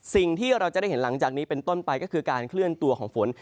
สิ่งที่เราจะได้เห็นหลังจากนี้เป็นต้นไปก็คือการเคลื่อนตัวของฝน